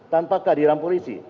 tanpa kehadiran polisi